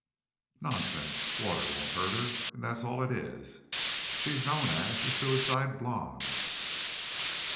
"Nonsense! Water won't hurt her; and that's all it is. She's known as 'the Suicide Blonde.'"